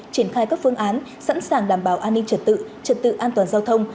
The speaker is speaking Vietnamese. triển khai các phương án sẵn sàng đảm bảo an ninh trật tự trật tự an toàn giao thông